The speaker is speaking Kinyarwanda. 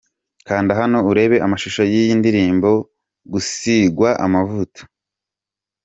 Kanda hano urebe amashusho y'iyi ndirimbo 'Gusigwa amavuta' .